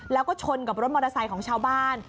แล้วก็ชนกับรถมอเตอร์ไซค์ของชาวบ้าน